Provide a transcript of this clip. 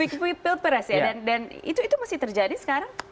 hirup pikuk pilpres ya dan itu masih terjadi sekarang